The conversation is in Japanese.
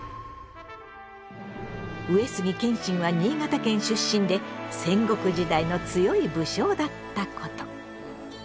上杉謙信は新潟県出身で戦国時代の強い武将だったこと。